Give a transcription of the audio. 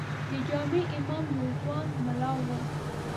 د جامع امام یو ځوان ملا و.